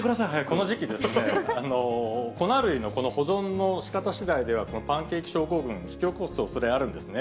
この時期ですね、粉類のこの保存のしかたしだいでは、パンケーキ症候群、引き起こすおそれがあるんですね。